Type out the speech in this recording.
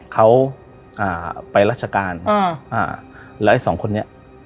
เขาอ่าไปรัชการอืมอ่าแล้วไอ้สองคนนี้